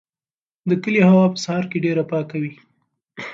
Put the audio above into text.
د کلي هوا په سهار کې ډېره پاکه وي.